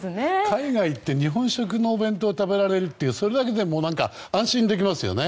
海外に行って日本食のお弁当を食べられるってそれだけで、安心できますよね。